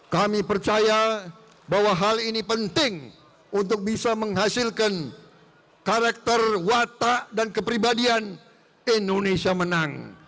kami percaya bahwa hal ini penting untuk bisa menghasilkan karakter watak dan kepribadian indonesia menang